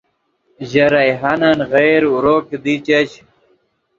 ژے ریحانن غیر اورو کیدی چش